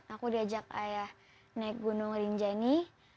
aku diajak ayah naik gunung rinjani